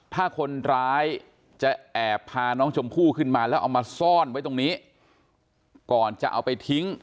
ถ้าคนร้ายจะแอบพาน้องชมพู่ขึ้นมาแล้วเอามาซ่อนไว้ตรงนี้ก่อนจะเอาไปทิ้ง